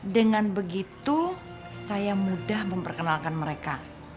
dengan begitu saya mudah memperkenalkan mereka